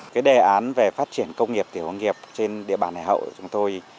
cái đề án về phát triển công nghiệp tiểu công nghiệp trên địa bàn hải hậu của chúng tôi